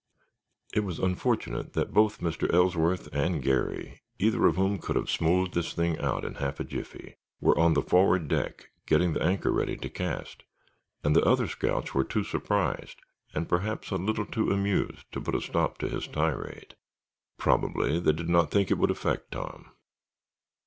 It was unfortunate that both Mr. Ellsworth and Garry, either of whom could have smoothed this thing out in half a jiffy, were on the forward deck getting the anchor ready to cast, and the other scouts were too surprised, and perhaps a little too amused, to put a stop to his tirade. Probably they did not think it would affect Tom.